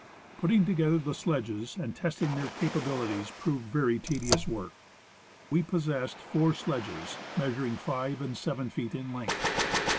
Putting together the sledo^es, and testing their capabilities, proved very tedious work. We pos sessed four sledges, mea suring 5 and 7 feet in length.